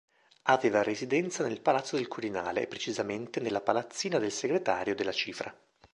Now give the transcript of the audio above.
Aveva residenza nel palazzo del Quirinale e precisamente nella palazzina del segretario della cifra.